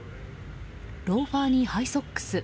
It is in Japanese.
ローファーにハイソックス。